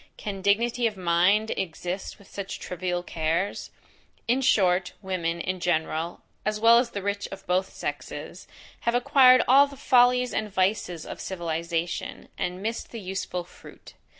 Can dignity of mind exist with such trivial cares? In short, women, in general, as well as the rich of both sexes, have acquired all the follies and vices of civilization, and missed the useful fruit.